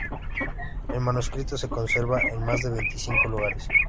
El manuscrito se conserva en más de veinticinco Lugares.